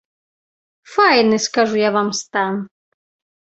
Файны, скажу я вам, стан!